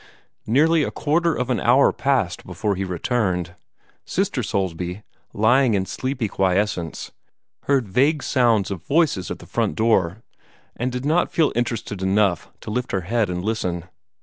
Nearly a quarter of an hour passed before he returned. Sister Soulsby, lying in sleepy quiescence, heard vague sounds of voices at the front door, and did not feel interested enough to lift her head and listen.